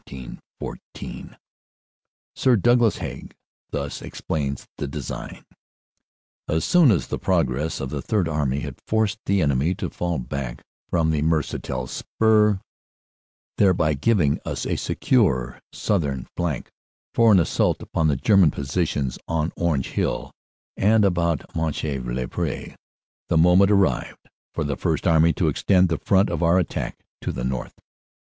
*^ Sir Douglas Haig thus explains the design: "As soon as the progress of the Third Army had forced the enemy to fall back from the Mercatel spur, thereby giving us a secure south ern flank for an assault upon the German positions on Orange Hill and about Monchy le Preux, the moment arrived for the First Army to extend the front of our attack to the north.